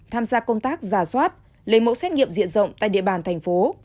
tham gia công tác giả soát lấy mẫu xét nghiệm diện rộng tại địa bàn thành phố